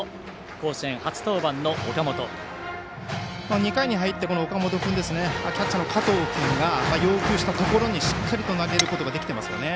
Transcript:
２回に入って、岡本君はキャッチャーの加藤君が要求したところにしっかりと投げることができていますね。